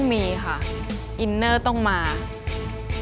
ก็ไม่รู้หนูไม่รู้ว่าคนอื่นมองว่าสวยหรือเปล่า